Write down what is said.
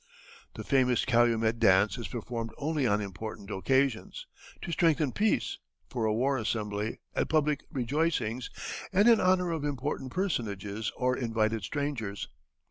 The famous calumet dance is performed only on important occasions to strengthen peace, for a war assembly, at public rejoicings, and in honor of important personages or invited strangers.